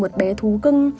một bé thú cưng